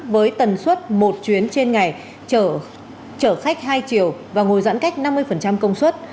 với tần suất một chuyến trên ngày chở khách hai chiều và ngồi giãn cách năm mươi công suất